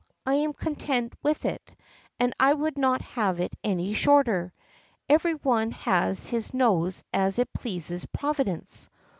I am content with it, and I would not have it any shorter; every one has his nose as it pleases Providence."